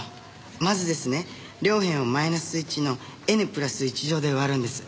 まずですね両辺を−１のｎ＋１乗で割るんです。